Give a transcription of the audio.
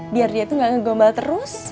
biar dia itu nggak ngegombal terus